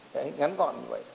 đấy ngắn gọn như vậy